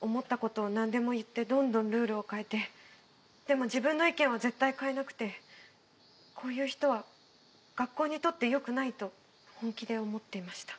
思った事をなんでも言ってどんどんルールを変えてでも自分の意見は絶対変えなくてこういう人は学校にとって良くないと本気で思っていました。